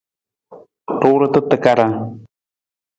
Ruurata takarang.